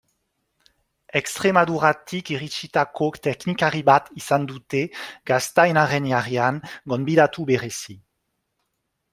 Extremaduratik iritsitako teknikari bat izan dute Gaztainaren Jaian gonbidatu berezi.